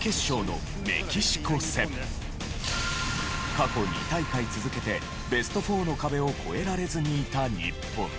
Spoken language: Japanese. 過去２大会続けてベスト４の壁を越えられずにいた日本。